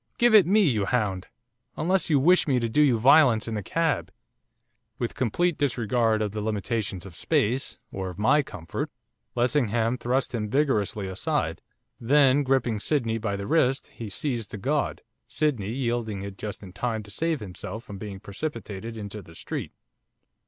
Give it me, you hound! unless you wish me to do you violence in the cab.' With complete disregard of the limitations of space, or of my comfort, Lessingham thrust him vigorously aside. Then gripping Sydney by the wrist, he seized the gaud, Sydney yielding it just in time to save himself from being precipitated into the street.